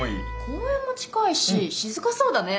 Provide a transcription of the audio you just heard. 公園も近いし静かそうだね。